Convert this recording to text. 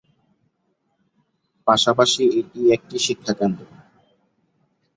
পাশাপাশি এটি একটি শিক্ষাকেন্দ্র।